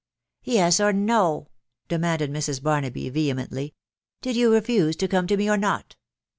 " Yes or no ?" demanded Mrs. Barnaby, veheojeiUlyv u Did you refuse to come to me, or not